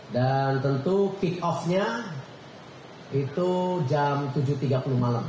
dan tentu kick off nya itu jam tujuh tiga puluh malam